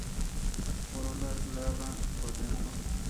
Corola glabra por dentro.